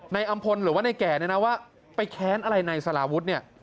อำพลหรือว่าในแก่เนี่ยนะว่าไปแค้นอะไรในสารวุฒิเนี่ย